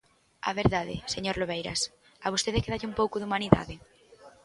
A verdade, señor Lobeiras, ¿a vostede quédalle un pouco de humanidade?